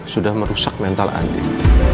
sudah merusak mental andin